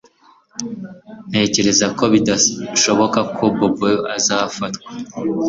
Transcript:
Ntekereza ko bidashoboka ko Bobo azafatwa